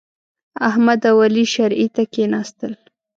احمد او علي شرعې ته کېناستل.